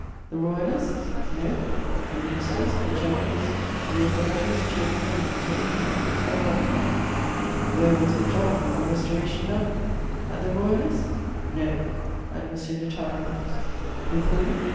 The Royalists? No: the ministers, the generals, the authorities chosen and maintained in office by Bonaparte. Where was the jobbing of the Restoration done? At the Royalists'? No: at M. de Talleyrand's. With whom?